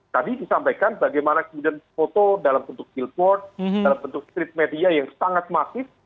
tadi disampaikan bagaimana kemudian foto dalam bentuk billboard dalam bentuk street media yang sangat masif